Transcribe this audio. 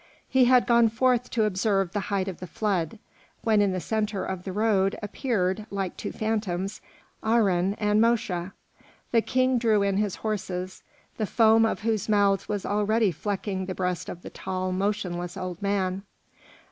He had gone forth to observe the height of the flood, when in the centre of the road appeared, like two phantoms, Aharon and Mosche. The king drew in his horses, the foam of whose mouths was already flecking the breast of the tall, motionless old man.